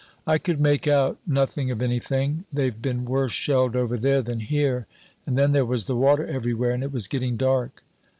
"I could make out nothing of anything. They've been worse shelled over there than here, and then there was the water everywhere, and it was getting dark.